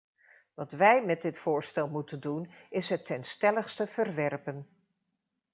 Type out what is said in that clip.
Wat wij met dit voorstel moeten doen is het ten stelligste verwerpen.